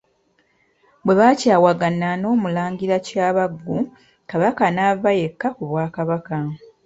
Bwe baakyawagana n'Omulangira Kyabaggu, Kabaka n'ava yekka ku Bwakabaka.